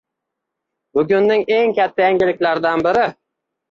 Bugunning eng katta yangiliklaridan biri